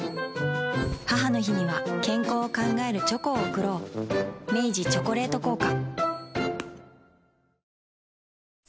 母の日には健康を考えるチョコを贈ろう明治「チョコレート効果」